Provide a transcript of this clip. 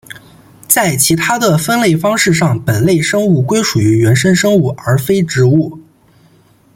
在其他的分类方式上本类生物归属于原生生物而非植物。